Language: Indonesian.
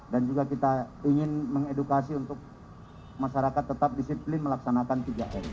dan juga kita ingin mengedukasi untuk masyarakat tetap disiplin melaksanakan tiga t